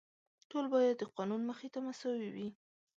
ټول باید د قانون مخې ته مساوي وي.